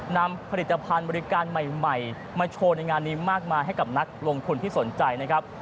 นำผลิตภัณฑ์บริการใหม่มาโชว์ในงานนี้มากมายให้กับนักลงทุนที่สนใจนะครับ